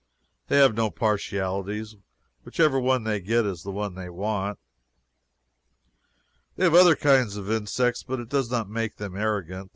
They have no partialities. Whichever one they get is the one they want. They have other kinds of insects, but it does not make them arrogant.